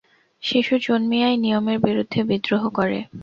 শিশু জন্মিয়াই নিয়মের বিরুদ্ধে বিদ্রোহ করে।